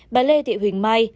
bà lê thị huỳnh mai